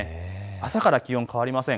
朝から気温が変わりません。